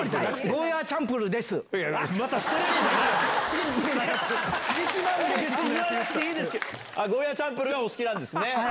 ゴーヤーチャンプルーがお好きなんですね。